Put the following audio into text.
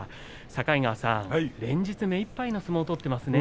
境川さん目いっぱいの相撲を取ってますね。